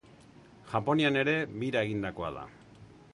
Japonian ere bira egindakoa da.